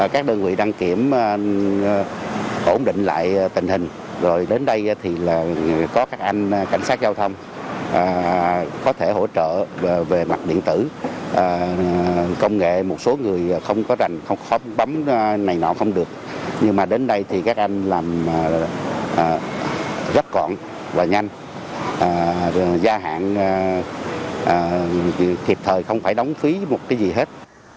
các đơn vị đăng kiểm ổn định lại tình hình rồi đến đây thì có các anh cảnh sát giao thông có thể hỗ trợ về mặt điện tử công nghệ một số người không có rành không bấm này nọ không được nhưng mà đến đây thì các anh làm rất còn và nhanh gia hạn thiệp thời không phải đóng phí một cái gì hết